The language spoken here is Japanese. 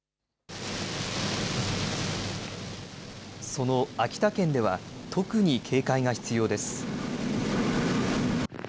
その秋田県では特に警戒が必要です。